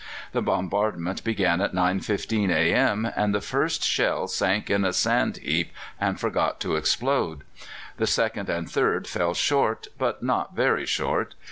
The bombardment began at 9.15 a.m., and the first shell sank in a sand heap, and forgot to explode. The second and third fell short, but not very short.